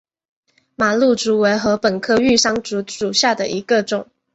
马鹿竹为禾本科玉山竹属下的一个种。